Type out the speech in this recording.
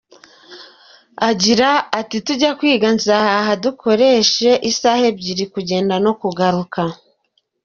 Agira ati “Tujya kwiga Nzahaha dukoresha isaha ebyiri kugenda no kugaruka.